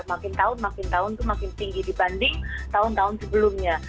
makin tahun makin tahun itu makin tinggi dibanding tahun tahun sebelumnya